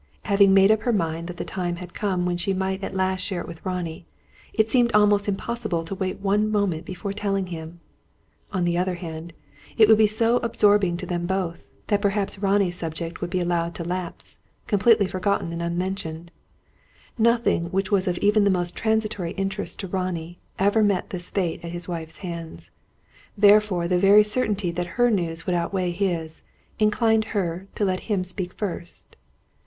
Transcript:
Having made up her mind that the time had come when she might at last share it with Ronnie, it seemed almost impossible to wait one moment before telling him. On the other hand, it would be so absorbing to them both, that probably Ronnie's subject would be allowed to lapse, completely forgotten and unmentioned. Nothing which was of even the most transitory interest to Ronnie, ever met this fate at his wife's hands. Therefore the very certainty that her news would outweigh his, inclined her to let him speak first.